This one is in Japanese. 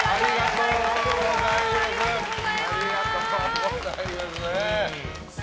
ありがとうございます。